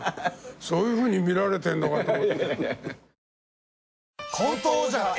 そういうふうに見られてるのかと。